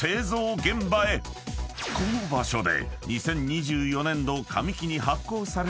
［この場所で］